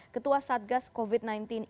ketua satgas covid sembilan belas